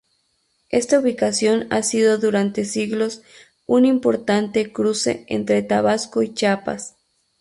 Esta ubicación ha sido durante siglos un importante cruce entre Tabasco y Chiapas.